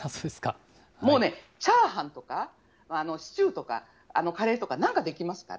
もうね、チャーハンとかシチューとか、カレーとか、なんか出来ますから。